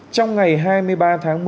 trong ngày hai mươi ba tháng một mươi